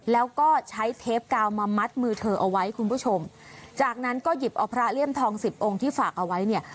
แล้วก็ใช้เทปกาวมามัดมือเธอเอาไว้คุณผู้ชมจากนั้นก็หยิบเอาพระเลี่ยมทองสิบองค์ที่ฝากเอาไว้เนี่ย